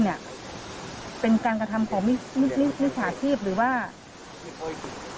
เป็นการกระทำของมิถาชีพหรือว่า